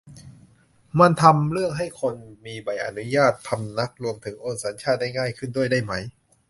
มันไปทำเรื่องให้คนมีใบอนุญาติพำนัก รวมถึงโอนสัญชาติได้ง่ายขึ้นด้วยได้ไหม